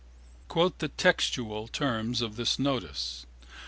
Quote the textual terms of this notice.